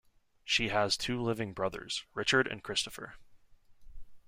She has two living brothers, Richard and Christopher.